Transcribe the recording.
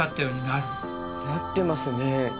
なってますね。